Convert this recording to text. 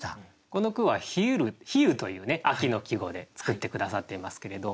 この句は「冷ゆる」「冷ゆ」というね秋の季語で作って下さっていますけれど。